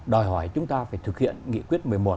đòi hỏi chúng ta phải thực hiện nghị quyết một mươi một